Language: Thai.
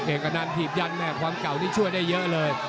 เอกอนันต์ถีบยันแม่ความเก่านี่ช่วยได้เยอะเลย